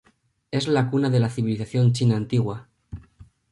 Es la cuna de la civilización china antigua.